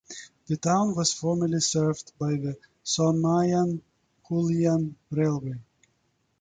The town was formerly served by the Somain-Halluin Railway.